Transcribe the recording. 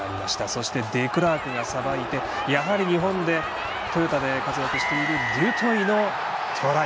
そして、デクラークがさばいてやはり日本でトヨタで活躍しているデュトイのトライ。